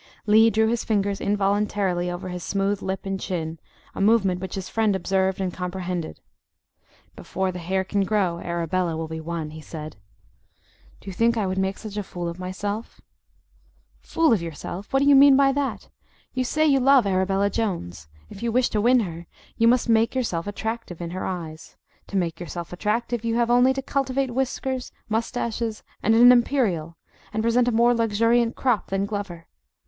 Lee drew his fingers involuntarily over his smooth lip and chin, a movement which his friend observed and comprehended. "Before the hair can grow Arabella will be won," he said. "Do you think I would make such a fool of myself." "Fool of yourself! What do you mean by that? You say you love Arabella Jones. If you wish to win her, you must make yourself attractive in her eyes. To make yourself attractive, you have only to cultivate whiskers, moustaches, and an imperial, and present a more luxuriant crop than Glover.